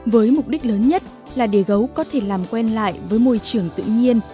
với mục đích lớn nhất là để gấu có thể làm quen lại với môi trường tự nhiên